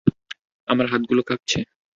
আমার হাতগুলো কাঁপছে!